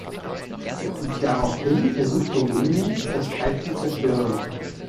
Daraufhin versucht der Jüngling, das Kalb zu zerstören.